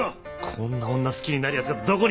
こんな女好きになるヤツがどこにいるんだ！？